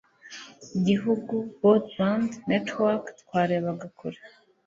gihugu broadband network twarebaga kure